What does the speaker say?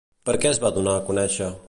Per què es va donar a conèixer?